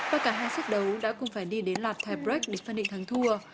và cả hai sắp đấu đã cùng phải đi đến lạp tiebreak để phân định thắng thua